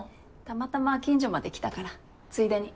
たまたま近所まで来たからついでに。